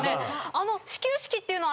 あの始球式っていうのは。